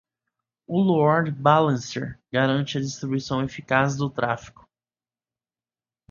O Load Balancer garante a distribuição eficaz do tráfego.